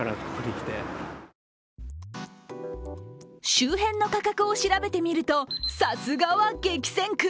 周辺の価格を調べてみるとさすがは激戦区。